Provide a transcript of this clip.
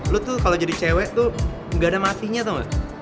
lu tuh kalau jadi cewek tuh nggak ada matinya tau gak